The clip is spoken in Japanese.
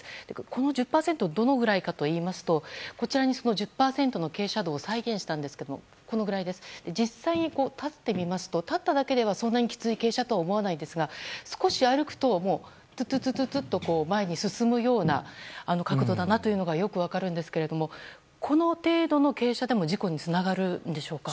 この１０％はどのくらいかといいますとこちらにその１０％の傾斜度を再現したんですけど実際に立ってみますと立っただけではそんなにきつい傾斜とは思わないんですが少し歩くと、前に進むような角度だなということがよく分かるんですけどもこの程度の傾斜でも事故につながるんでしょうか。